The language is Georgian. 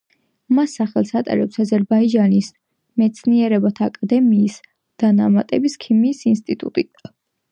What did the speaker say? მის სახელს ატარებს აზერბაიჯანის მეცნიერებათა აკადემიის დანამატების ქიმიის ინსტიტუტი.